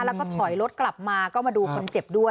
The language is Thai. แล้วก็ถอยรถกลับมาก็มาดูคนเจ็บด้วย